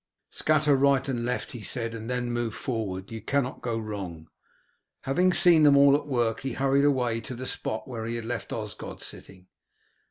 "Scatter right and left," he said, "and then move forward. You cannot go wrong." Having seen them all at work, he hurried away to the spot where he had left Osgod sitting.